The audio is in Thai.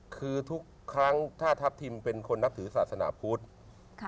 คือทุกครั้งถ้าทัพทิมเป็นคนนับถือศาสนาพุทธ